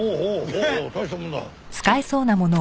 おお大したもんだ。